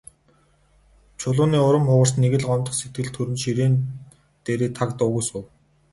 Чулууны урам хугарч, нэг л гомдох сэтгэл төрөн ширээн дээрээ таг дуугүй суув.